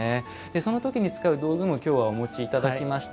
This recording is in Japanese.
その時に使う道具も今日はお持ちいただきました。